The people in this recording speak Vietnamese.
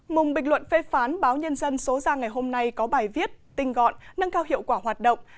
mùng bình luận phê phán báo nhân dân số ra ngày hôm nay có bài viết tinh gọn nâng cao hiệu quả hoạt động